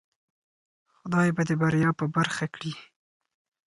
خدای به دی بریا په برخه کړی